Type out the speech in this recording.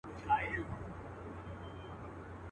تا هم لوښی د روغن دی چپه کړی؟.